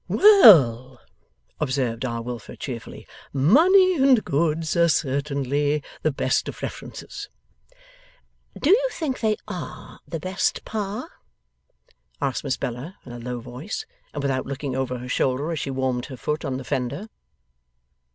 'Well!' observed R. Wilfer, cheerfully, 'money and goods are certainly the best of references.' 'Do you think they ARE the best, pa?' asked Miss Bella, in a low voice, and without looking over her shoulder as she warmed her foot on the fender.